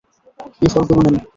এই ফলগুলো নেন।